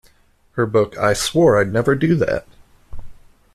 Her book I Swore I'd Never Do That!